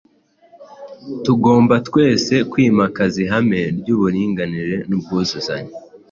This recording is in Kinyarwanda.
Tugomba twese kwimakaza ihame ry’uburinganire n’ubwuzuzanye.